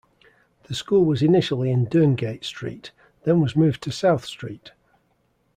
The school was initially in Durngate Street, then was moved to South Street.